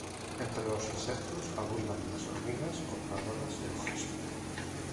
Entre los insectos, abundan las hormigas cortadoras de hojas.